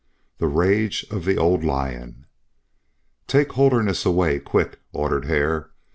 XX. THE RAGE OF THE OLD LION "TAKE Holderness away quick!" ordered Hare.